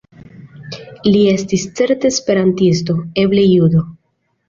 Li estis certe esperantisto, eble judo.